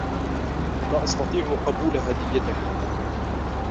لا أستطيع قبول هديتِكَ.